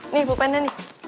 nih pupennya nih